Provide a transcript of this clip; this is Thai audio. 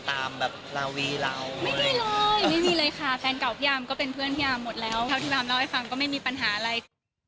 เดี๋ยวที่บางนี้ให้ฟังก็ไม่มีปัญหาอะไร